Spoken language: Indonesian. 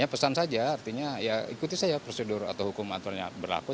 pesan saja artinya ikuti saja prosedur atau hukum aturannya berlaku